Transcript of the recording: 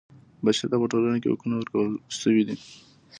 بشر ته په ټولنه کې حقونه ورکړل شوي دي.